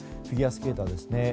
フィギュアスケーターですね。